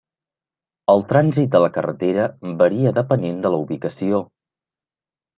El trànsit a la carretera varia depenent de la ubicació.